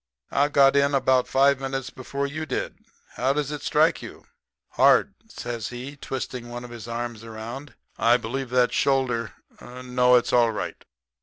'I got in about five minutes before you did. How does it strike you?' "'Hard,' says he, twisting one of his arms around. 'I believe that shoulder no, it's all right.'